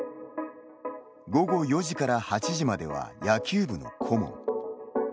午後４時から８時までは野球部の顧問。